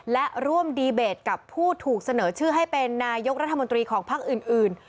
และร่วมดีเบตกับผู้ถูกเสนอชื่อให้เป็นนายกรัฐมนตรีของภักดิ์อื่น